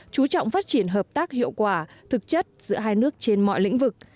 chú trọng phát triển hợp tác hiệu quả thực chất giữa hai nước trên mọi lĩnh vực